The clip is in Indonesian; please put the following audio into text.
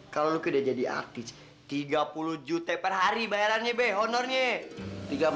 kalau lu tidak jadi artis tiga puluh juta per hari bayarannya b honornya